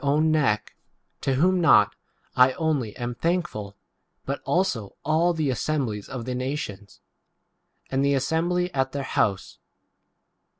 own neck : to whom not I only am thankful, but also all the assem 6 blies of the nations,) and the assembly at their house.